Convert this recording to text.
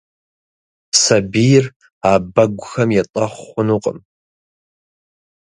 Сабийр а бэгухэм етӏэхъу хъунукъым.